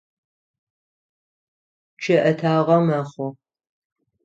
Чъыӏэтагъэ мэхъу.